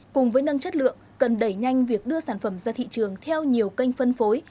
cùng với nâng chất lượng cần đẩy nhanh việc đưa sản phẩm ra thị trường theo nhiều kênh phân phối